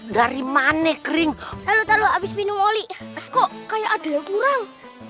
dari mana kering lalu taruh habis minum oli kok kayak ada yang kurang